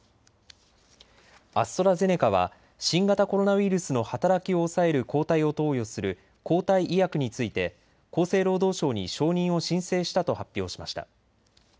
アストラゼネカは新型コロナウイルスの働きを抑える抗体を投与する抗体医薬について厚生労働省に承認を申請したと発表しました。